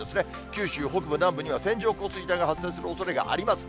九州北部、南部には線状降水帯が発生するおそれがあります。